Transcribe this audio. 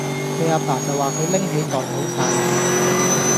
佢阿爸就話佢拎起袋好哂喇